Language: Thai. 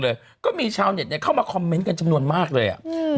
ก็มีชาวเน็ตเข้ามาคอมเมนต์กันจำนวนมากเลยอ่ะอืม